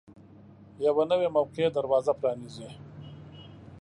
یوه نوې موقع دروازه پرانیزي.